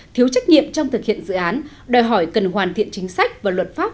thiếu trách nhiệm trong thực hiện dự án đòi hỏi cần hoàn thiện chính sách và luật pháp